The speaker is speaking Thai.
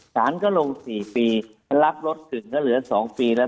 สารก็ลง๔ปีรับรถถึงก็เหลือ๒ปีแล้ว